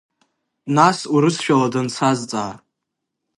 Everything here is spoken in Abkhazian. Нас урысшәала дансазҵаа.